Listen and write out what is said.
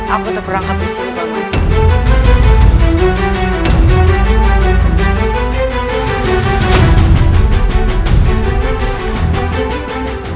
aku terperangkap disini paman